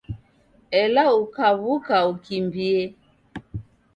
Ela ukaw'uka ukimbie